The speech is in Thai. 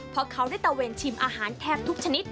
เพราะเขาได้ตะเวนชิมอาหารแทบทุกชนิด